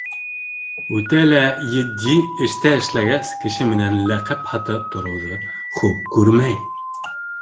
Үтә лә етди эштә эшләгәс, кеше менән ләҡәп һатып тороуҙы хуп күрмәй.